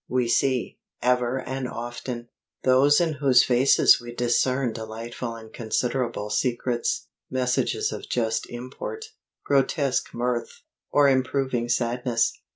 We see, ever and often, those in whose faces we discern delightful and considerable secrets, messages of just import, grotesque mirth, or improving sadness.